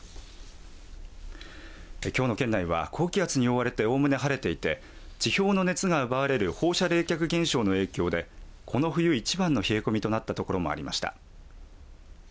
きょうの県内は高気圧に覆われておおむね晴れていて地表の熱が奪われる放射冷却現象の影響でこの冬一番の冷え込みとなった所もありました。